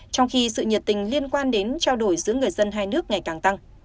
trong khi sự nhiệt tình liên quan đến trao đổi giữa người dân hai nước ngày càng tăng